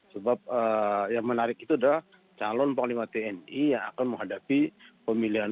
sebab yang menarik itu adalah calon panglima tni yang akan menghadapi pemilihan